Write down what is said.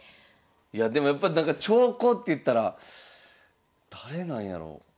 いやでもやっぱなんか長考っていったら誰なんやろう？